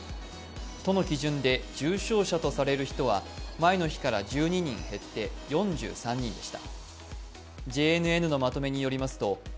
都の基準で重症者とされる人は前の日から１２人減って４３人でした。